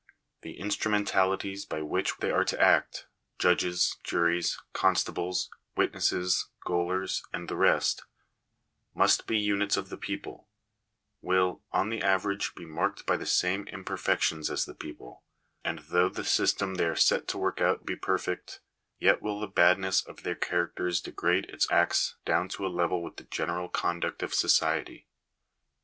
. The instrumentalities by which they are to act — judges, juries, I constables, witnesses, gaolers, and the rest — must be units of the people — will, on the average, be marked by the same imper , fections as the people ; and though the system they are set to work out be perfect, yet will the badness of their characters degrade its acts down to a level with the general conduct of society.